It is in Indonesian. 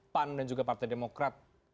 pan dan juga partai demokrat